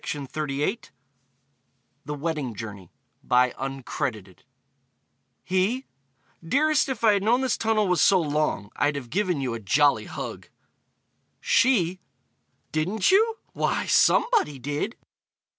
THE WEDDING JOURNEY He: Dearest, if I had known this tunnel was so long, I'd have given you a jolly hug. She: Didn't you? Why, somebody did!